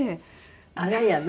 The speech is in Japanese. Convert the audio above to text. あらやだ。